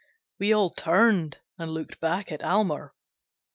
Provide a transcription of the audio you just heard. We all turned and looked back at Almer.